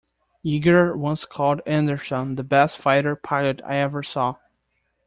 Yeager once called Anderson, The best fighter pilot I ever saw.